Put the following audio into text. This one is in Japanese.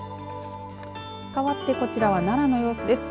かわってこちらは奈良の様子です。